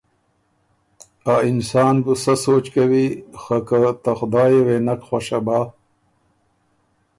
ا اِنسان بُو سۀ سوچ کوی خه که ته خدایه وې بو نک خوشه بۀ